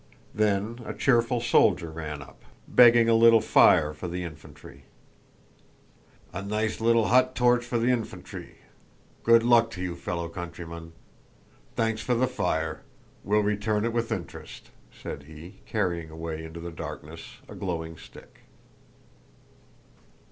Then a cheerful soldier ran up, begging a little fire for the infantry. "A nice little hot torch for the infantry! Good luck to you, fellow countrymen. Thanks for the fire—we'll return it with interest," said he, carrying away into the darkness a glowing stick.